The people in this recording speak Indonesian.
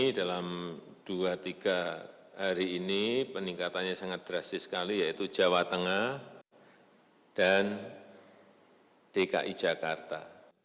dalam dua tiga hari ini peningkatannya sangat drastis sekali yaitu jawa tengah dan dki jakarta